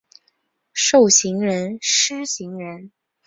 授行人司行人。